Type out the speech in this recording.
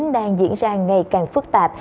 đang diễn ra ngày càng phức tạp